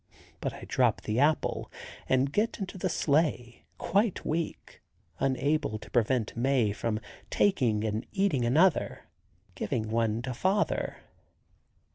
But I drop the apple and get into the sleigh, quite weak, unable to prevent Mae from taking and eating another, giving one to father.